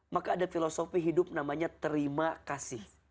maka ada filosofi hidup namanya terima kasih